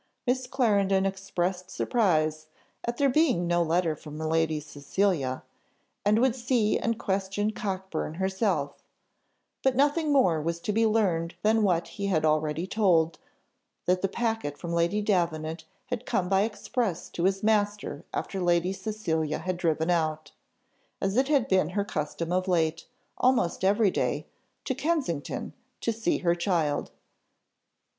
Miss Clarendon expressed surprise at there being no letter from Lady Cecilia, and would see and question Cockburn herself; but nothing more was to be learned than what he had already told, that the packet from Lady Davenant had come by express to his master after Lady Cecilia had driven out, as it had been her custom of late, almost every day, to Kensington, to see her child.